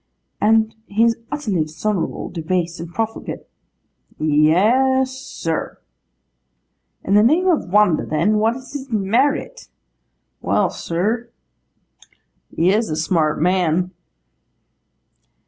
'And he is utterly dishonourable, debased, and profligate?' 'Yes, sir.' 'In the name of wonder, then, what is his merit?' 'Well, sir, he is a smart man.